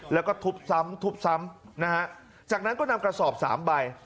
แล้วก็ทุบซ้ำทุบซ้ำนะฮะจากนั้นก็นำกระสอบสามใบ